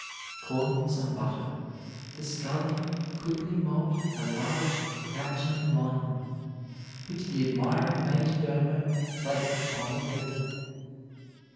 Calling for some butter, the scullion quickly molded a large crouching lion, which the admiring major domo placed upon the table.